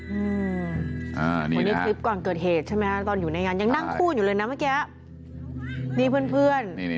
วันนี้คลิปก่อนเกิดเหตุใช่ไหมตอนอยู่ในงานยังนั่งคู่อยู่เลยนะเมื่อกี้